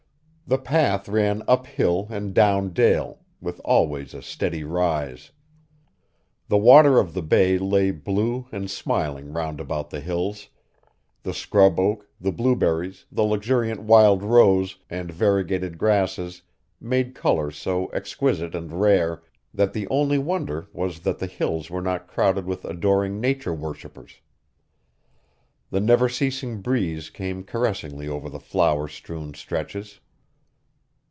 The path ran up hill and down dale, with always a steady rise. The water of the bay lay blue and smiling roundabout the Hills: the scrub oak, the blueberries, the luxuriant wild rose, and variegated grasses made color so exquisite and rare, that the only wonder was that the Hills were not crowded with adoring Nature worshippers. The never ceasing breeze came caressingly over the flower strewn stretches.